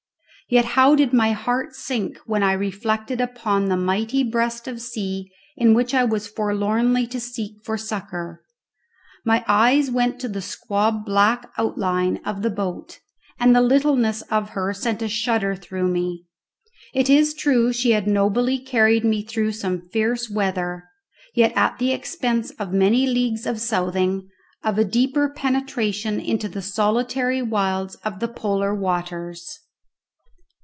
Yet how did my heart sink when I reflected upon the mighty breast of sea in which I was forlornly to seek for succour! My eyes went to the squab black outline of the boat, and the littleness of her sent a shudder through me. It is true she had nobly carried me through some fierce weather, yet at the expense of many leagues of southing, of a deeper penetration into the solitary wilds of the polar waters.